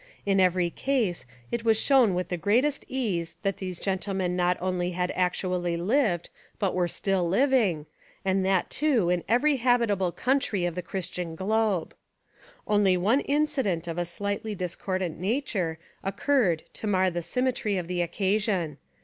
In every case it was shown with the greatest ease that these gentlemen not only had actually lived but were still living, and that too in every hab itable country of the Christian globe. Only one incident of a slightly discordant nature occurred to mar the symmetry of the occasion.